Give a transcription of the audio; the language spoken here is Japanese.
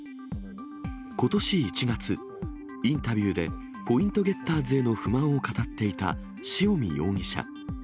ことし１月、インタビューで、ポイントゲッターズへの不満を語っていた塩見容疑者。